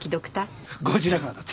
ゴジラ河だって。